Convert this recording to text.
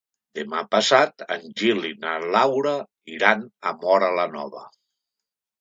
Demà passat en Gil i na Laura iran a Móra la Nova.